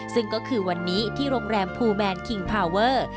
ซึ่งก็คือวันนี้ที่โรงแรมภูแมนคิงพาเวอร์